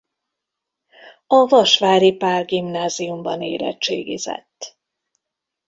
A Vasvári Pál Gimnáziumban érettségizett.